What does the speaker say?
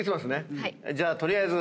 じゃあ取りあえず。